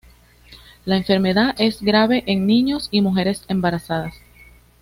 La enfermedad es grave en niños y mujeres embarazadas.